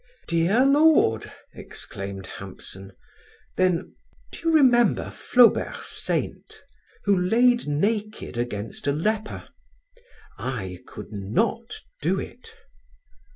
"Dear Lord!" exclaimed Hampson; then: "Do you remember Flaubert's saint, who laid naked against a leper? I could not do it."